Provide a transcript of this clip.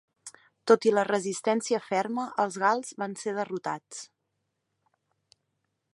Tot i la resistència ferma, els gals van ser derrotats.